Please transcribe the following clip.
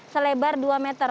selebar dua meter